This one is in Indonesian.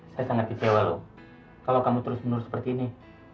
saya sangat kecewa kalau kamu terus menurut seperti ini